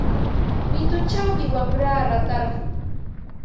Mituchawmi wamra ratarqun.